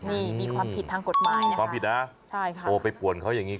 นี่มีความผิดทางกฎหมายนะความผิดนะใช่ค่ะโทรไปป่วนเขาอย่างนี้